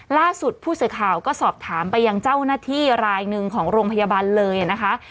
ล่าสุดผู้สื่อข่าวก็สอบถามไปยังเจ้าหน้าที่รายหนึ่งของโรงพยาบาลเลยนะคะ